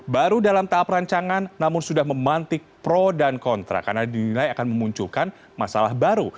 baru dalam tahap rancangan namun sudah memantik pro dan kontra karena dinilai akan memunculkan masalah baru